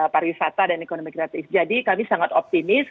pariwisata dan ekonomi kreatif jadi kami sangat optimis